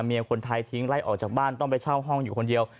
เมียคนไทยทิ้งไล่ออกจากบ้านต้องไปเช่าห้องอยู่คนเดียว